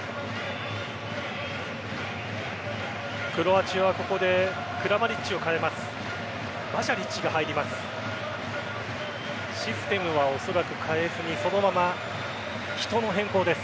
クロアチアはここでクラマリッチを代えます。